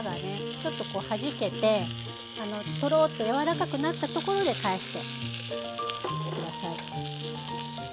ちょっとこうはじけてトロッとやわらかくなったところで返して下さい。